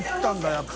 やっぱ。